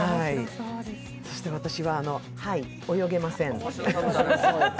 そして私は、「はい、泳げません」。